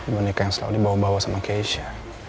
boneka yang selalu dibawa bawa sama keisha